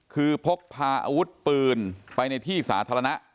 คือพกพาอาวุธปืนไปในที่สาธารณะ